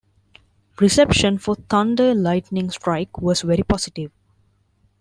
Reception for "Thunder, Lightning, Strike" was very positive.